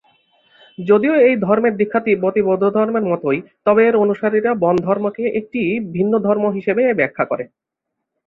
যদিও এই ধর্মের দীক্ষা তিব্বতী বৌদ্ধধর্মের মতই, তবে এর অনুসারীরা বন ধর্মকে একটি ভিন্ন ধর্ম হিসেবেই ব্যাখ্যা করে।